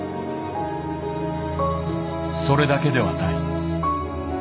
それだけではない。